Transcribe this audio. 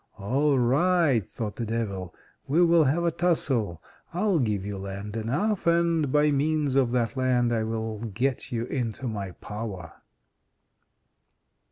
"All right," thought the Devil. "We will have a tussle. I'll give you land enough; and by means of that land I will get you into my power."